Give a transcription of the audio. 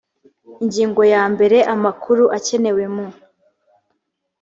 ingingo ya mbere amakuru akenewe mu